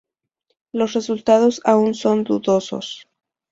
Los resultados aun son dudosos.